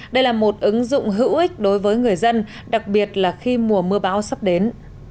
đây là một ứng dụng hữu ích đối với người dân đặc biệt là khi mùa mưa bão sắp đến